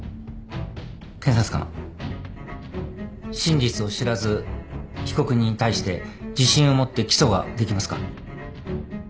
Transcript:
検察官真実を知らず被告人に対して自信を持って起訴ができますか？